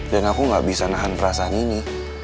dan aku gak bisa nahan perasaan ini